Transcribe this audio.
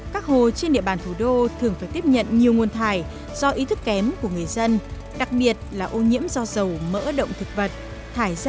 các hồ trên địa bàn thủ đô thường phải tiếp nhận nhiều nguồn thạch